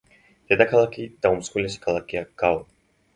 დედაქალაქი და უმსხვილესი ქალაქია გაო.